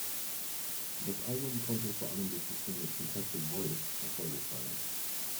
Das Album konnte vor allem durch die Single "Fantastic Voyage" Erfolge feiern.